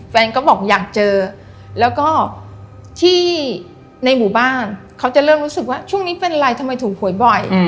แฟนก็บอกอยากเจอแล้วก็ที่ในหมู่บ้านเขาจะเริ่มรู้สึกว่าช่วงนี้เป็นไรทำไมถูกหวยบ่อย